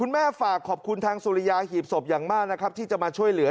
มอฮีบสอบอย่างมากนะครับที่จะมาช่วยเหลือ